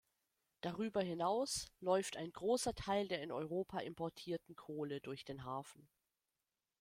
Darüber hinaus läuft ein großer Teil der in Europa importierten Kohle durch den Hafen.